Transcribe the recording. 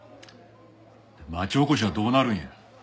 町おこしはどうなるんや。